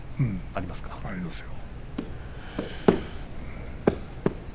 ありますよ。